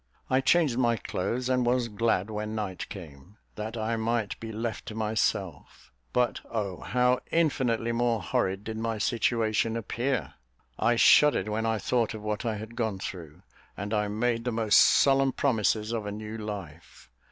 I changed my clothes, and was glad when night came, that I might be left to myself; but oh, how infinitely more horrid did my situation appear! I shuddered when I thought of what I had gone through, and I made the most solemn promises of a new life.